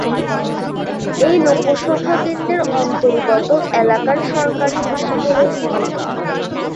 এই লোকসভা কেন্দ্রের অন্তর্গত এলাকার সরকারি ভাষা হল হিন্দি।